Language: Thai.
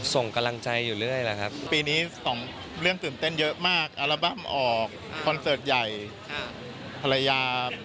ส่งกำลังใจอยู่เรื่อยละครับ